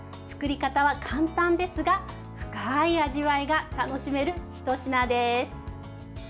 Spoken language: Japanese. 作り方は簡単ですが深い味わいが楽しめるひと品です。